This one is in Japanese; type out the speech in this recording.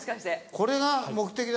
これが目的だ。